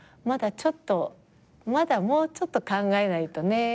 まだちょっとまだもうちょっと考えないとね。